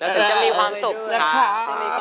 ถึงจะมีความสุขนะคะ